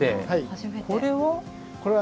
これは？